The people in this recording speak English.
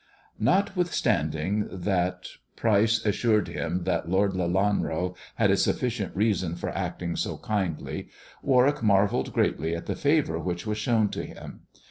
Notwithstanding that Pry ce assured him that Lord Lelanro had a sufficient reason for acting so kindly, Warwick marvelled greatly at the favour which was shown to him.